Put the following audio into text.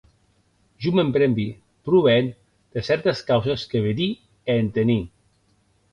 Jo me’n brembi pro ben de cèrtes causes que vedí e entení.